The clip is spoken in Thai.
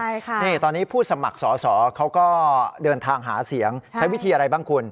ใช่ค่ะนี่ตอนนี้ผู้สมัครสอสอเขาก็เดินทางหาเสียงใช้วิธีอะไรบ้างคุณ